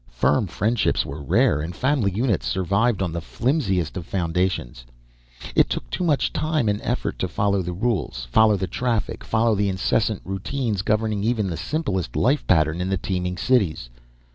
Firm friendships were rare, and family units survived on the flimsiest of foundations. It took too much time and effort just to follow the rules, follow the traffic, follow the incessant routines governing even the simplest life pattern in the teeming cities.